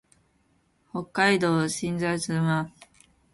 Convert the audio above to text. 北海道新篠津村